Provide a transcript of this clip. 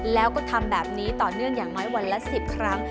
แล้วก็ทำแบบนี้ต่อเนื่องอย่างน้อยวันละ๑๐ครั้ง